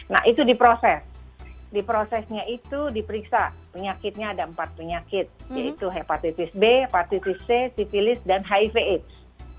nah itu diproses di prosesnya itu diperiksa penyakitnya ada empat penyakit yaitu hepatitis b hepatitis c sivilis dan hiv aids